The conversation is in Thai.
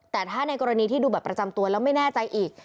แต่ถ้าในกรณีที่ดูบัตรประจำตัวแล้วไม่แน่ใจอีก